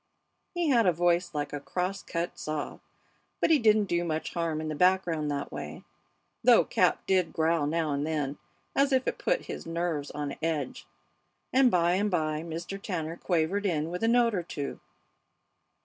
He had a voice like a cross cut saw, but he didn't do much harm in the background that way, though Cap did growl now and then, as if it put his nerves on edge. And by and by Mr. Tanner quavered in with a note or two.